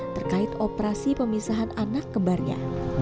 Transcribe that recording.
terkait operasi pemisahan anak kembarnya